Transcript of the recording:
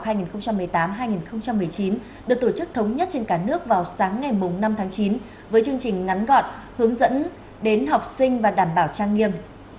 bộ giáo dục và đào tạo cho biết lễ khai giảng năm học hai nghìn một mươi chín được tổ chức thống nhất trên cả nước vào sáng ngày năm tháng chín với chương trình ngắn gọn hướng dẫn đến học sinh và đảm bảo trang nghiêm